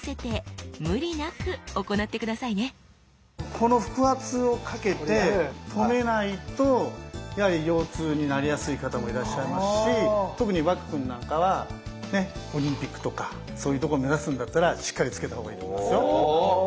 この腹圧をかけて止めないと腰痛になりやすい方もいらっしゃいますし特に和空くんなんかはオリンピックとかそういうとこを目指すんだったらしっかりつけた方がいいと思いますよ。